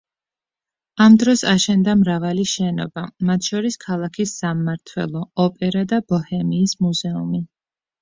ამ დროს აშენდა მრავალი შენობა, მათ შორის ქალაქის სამმართველო, ოპერა და ბოჰემიის მუზეუმი.